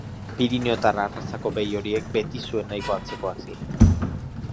Piriniotar arrazako behi horiek, betizuen nahiko antzekoak ziren.